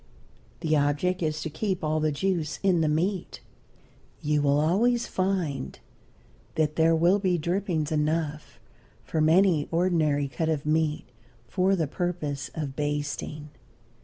The object is to keep all the juice in the meat. You will always find that there will be drippings enough from any ordinary cut of meat for the purpose of basting.